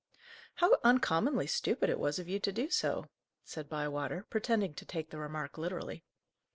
"How uncommonly stupid it was of you to do so!" said Bywater, pretending to take the remark literally.